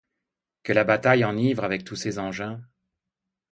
Que la bataille enivre avec tous ses engins